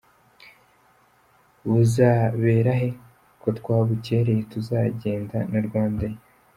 Buzaberahe?ko twabukereye tuzagenda na Rwanda air.